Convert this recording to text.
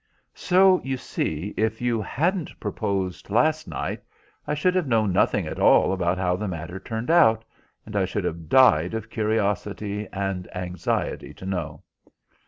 So, you see, if you hadn't proposed last night I should have known nothing at all about how the matter turned out, and I should have died of curiosity and anxiety to know."